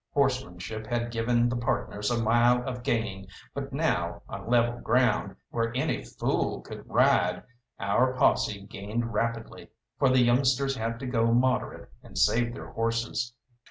Horsemanship had given the partners a mile of gain, but now, on level ground, where any fool could ride, our posse gained rapidly, for the youngsters had to go moderate and save their horses.